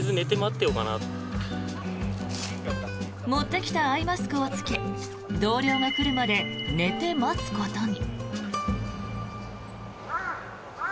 持ってきたアイマスクを着け同僚が来るまで寝て待つことに。